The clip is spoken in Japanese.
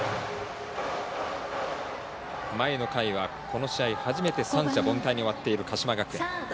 前の回は、この試合初めて三者凡退に終わっている鹿島学園。